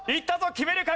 決めるか？